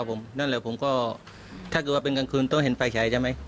ครับผมครับผมนั่นแหละผมก็ถ้าคือว่าเป็นกลางคืนต้องเห็นไฟฉายใช่ไหม